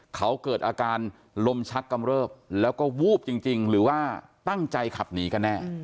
เขาเกิดอาการลมชักกำเริบแล้วก็วูบจริงหรือว่าตั้งใจขับหนีกันแน่